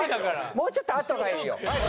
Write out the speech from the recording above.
もうちょっとあとがいいよ。